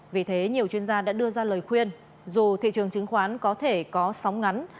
vì thế nhiều chuyên gia đã đưa ra lời khuyên dù thị trường chứng khoán có thể có sóng ngắn